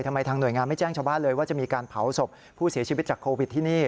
ทางหน่วยงานไม่แจ้งชาวบ้านเลยว่าจะมีการเผาศพผู้เสียชีวิตจากโควิดที่นี่